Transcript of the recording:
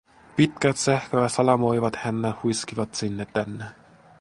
Pitkät sähköä salamoivat hännät huiskivat sinne tänne.